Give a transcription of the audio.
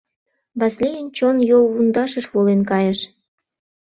Васлийын чон йолвундашыш волен кайыш.